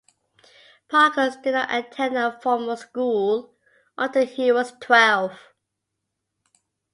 Parkhurst did not attend a formal school until he was twelve.